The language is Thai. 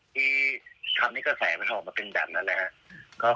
ที่ทำให้กระแสมันออกมาเป็นแบบนั้นแหละครับ